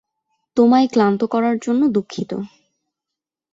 তোমায় ক্লান্ত করার জন্য দুঃখিত।